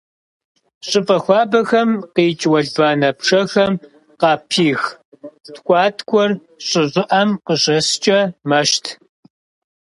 ЩӀыпӀэ хуабэхэм къикӀ уэлбанэ пшэхэм къапих ткӀуаткӀуэр щӀы щӀыӀэм къыщыскӀэ мэщт.